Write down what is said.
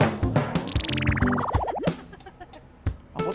oh yaudah kalau gitu